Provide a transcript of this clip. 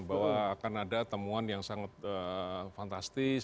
bahwa akan ada temuan yang sangat fantastis